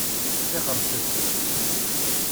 D iɣersiwen.